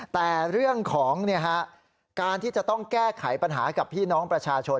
แต่เรื่องของการที่จะต้องแก้ไขปัญหากับพี่น้องประชาชน